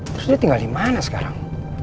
terus dia tinggal dimana sekarang